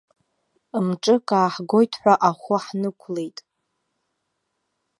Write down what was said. Мҿык ааҳгоит ҳәа ахәы ҳнықәлеит.